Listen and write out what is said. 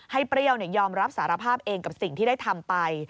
เปรี้ยวยอมรับสารภาพเองกับสิ่งที่ได้ทำไป